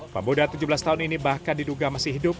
pemuda tujuh belas tahun ini bahkan diduga masih hidup